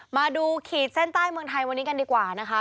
ขีดเส้นใต้เมืองไทยวันนี้กันดีกว่านะคะ